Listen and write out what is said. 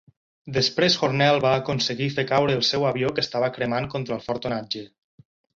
Després Hornell va aconseguir fer caure el seu avió que estava cremant contra el fort onatge.